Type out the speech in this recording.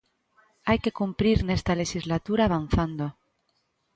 Hai que cumprir nesta lexislatura avanzando.